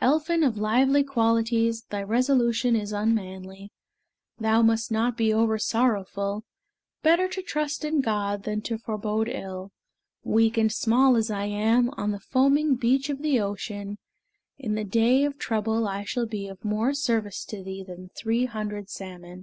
Elphin of lively qualities, Thy resolution is unmanly: Thou must not be oversorrowful: Better to trust in God than to forebode ill. Weak and small as I am, On the foaming beach of the ocean, In the day of trouble I shall be Of more service to thee than three hundred salmon.